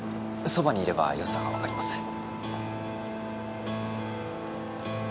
そばにいればよさが分かります。